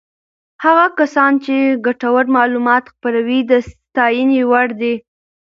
هغه کسان چې ګټور معلومات خپروي د ستاینې وړ دي.